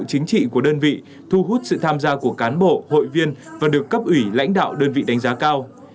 chính trị của đơn vị thu hút sự tham gia của cán bộ hội viên và được cấp ủy lãnh đạo đơn vị đánh giá cao